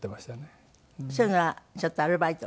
そういうのはちょっとアルバイト？